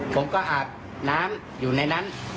ผมก็อาบน้ำอยู่ในนั้น